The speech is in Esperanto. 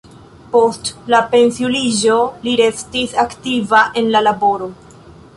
Post la pensiuliĝo li restis aktiva en la laboro.